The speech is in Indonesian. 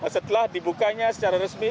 setelah dibukanya secara resmi